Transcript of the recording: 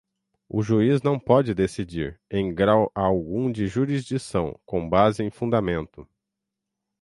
O juiz não pode decidir, em grau algum de jurisdição, com base em fundamento